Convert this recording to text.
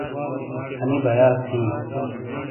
انی بیاص ہیں